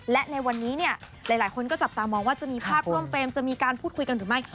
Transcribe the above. และในวันนี้เนี่ยหลายคนก็จับตามองว่าจะมีภาพร่วมเฟรมจะมีการพูดคุยกันหรือไม่